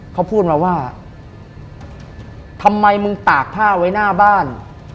เขาพูดมาว่าทำไมมึงตากผ้าไว้หน้าบ้าน